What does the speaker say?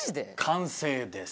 完成です。